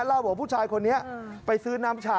เล่าบอกผู้ชายคนเนี้ยไปซื้อน้ำชา